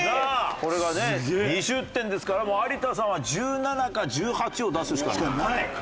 これがね２０点ですからもう有田さんは１７か１８を出すしかない。